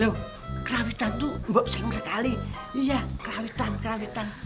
lho kerawitan tuh mbok seneng sekali iya kerawitan kerawitan